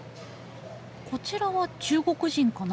こちらは中国人かな。